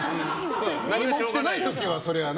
何も起きてない時はそりゃね。